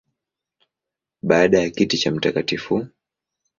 Baada ya kiti cha Mt.